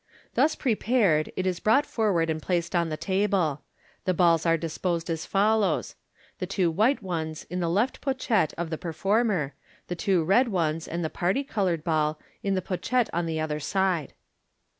Thus prepared, it is brought forward and placed on the table. The balls are dis posed as follows : the two white ones in the left pochette of the performer, the two red ones and the parti coloured ball in the pochette on the other side.